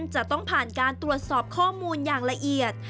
จะต้องผ่านการตรวจสอบข้อมูลอย่างละเอียด